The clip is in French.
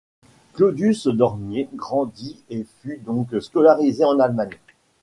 Claudius Dornier grandit et fut donc scolarisé en Allemagne.